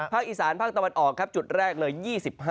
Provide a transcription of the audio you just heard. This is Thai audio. อีสานภาคตะวันออกครับจุดแรกเลย๒๕